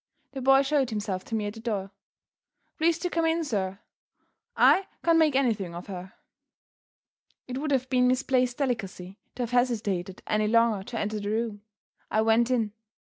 The boy showed himself to me at the door. "Please to come in, sir. I can't make anything of her." It would have been misplaced delicacy to have hesitated any longer to enter the room. I went in.